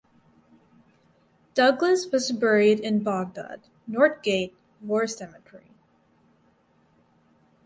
Douglas was buried in Baghdad (North Gate) War Cemetery.